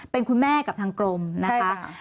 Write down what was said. เป็นคุณแม่กับทางกรมนะคะ